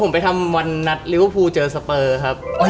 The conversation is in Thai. ผมไปทำวันนัทหรือว่าพูดเจอสเปอร์ครับ